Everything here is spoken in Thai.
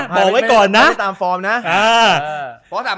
ดูดูครองนะ